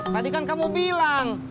tadi kan kamu bilang